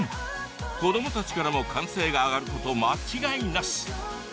子どもたちからも歓声が上がること間違いなし。